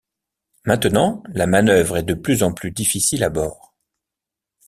Maintenant, la manœuvre est de plus en plus difficile à bord.